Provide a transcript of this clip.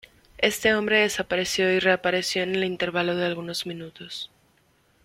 Este hombre desapareció y reapareció en el intervalo de algunos minutos.